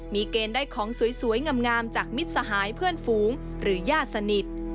มีเกณฑ์ได้ของสวยงามจากมิตรสหายเพื่อนฝูงหรือญาติสนิท